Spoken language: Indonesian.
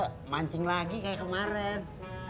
gak mancing lagi kaya kemaren